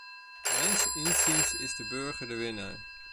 Mijns inziens is de burger de winnaar.